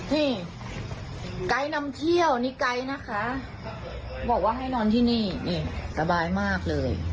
นี่ไกด์นำเที่ยวนี่ไกด์นะคะบอกว่าให้นอนที่นี่นี่สบายมากเลย